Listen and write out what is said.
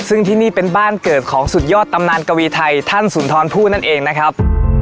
ซึ่งที่นี่เป็นบ้านเกิดของสุดยอดตำนานกวีไทยท่านสุนทรพูดนั่นเองนะครับ